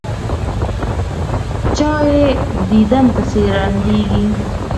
چا یې دیدن پسې ړندېږي.